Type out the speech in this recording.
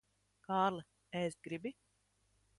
Kārli, ēst gribi?